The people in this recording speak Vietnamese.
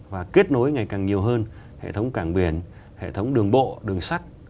và kết nối ngày càng nhiều hơn hệ thống cảng biển hệ thống đường bộ đường sắt